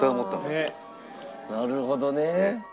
なるほどね。